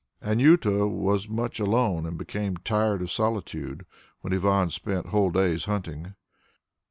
Anjuta was much alone and became tired of solitude, when Ivan spent whole days hunting.